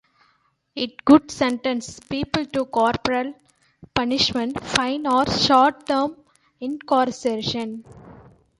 It could sentence people to corporal punishment, fine or short-term incarceration.